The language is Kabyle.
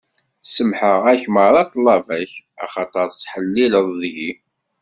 Semmḥeɣ-ak meṛṛa ṭṭlaba-k, axaṭer tettḥellileḍ deg-i.